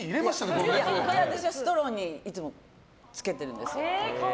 これは私はストローにいつもつけてるんです。